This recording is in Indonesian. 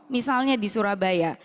misalnya di surabaya